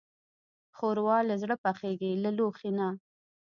ښوروا له زړه پخېږي، له لوښي نه.